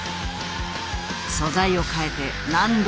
素材を変えて何度も試す。